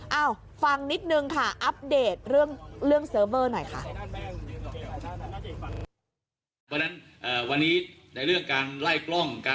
เอ้าฟังนิดนึงค่ะอัปเดตเรื่องเซิร์ฟเวอร์หน่อยค่ะ